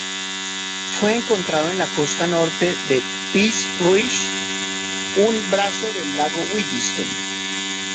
Fue encontrado en la costa norte de Peace Reach, un brazo del lago Williston.